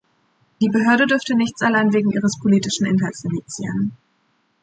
Die Behörde dürfe nichts allein wegen des politischen Inhalts indizieren.